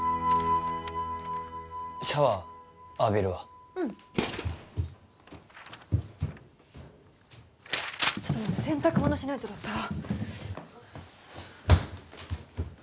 シャワー浴びるわうんちょっと待って洗濯物しないとだったわ